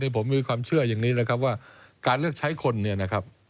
ผมมีความเชื่ออย่างนี้ว่าการเลือกใช้คน